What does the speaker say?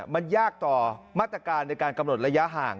มันยากต่อมาตรการในการกำหนดระยะห่าง